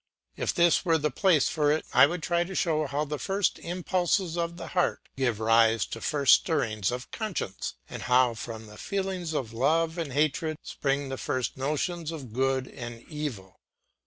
If this were the place for it, I would try to show how the first impulses of the heart give rise to the first stirrings of conscience, and how from the feelings of love and hatred spring the first notions of good and evil.